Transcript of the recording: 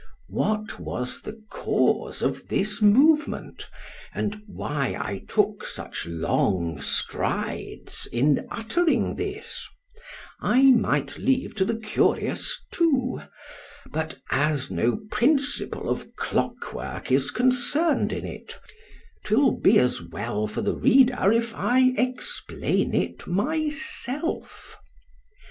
_" What was the cause of this movement, and why I took such long strides in uttering this——I might leave to the curious too; but as no principle of clock work is concerned in it——'twill be as well for the reader if I explain it myself.